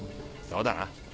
そうだな。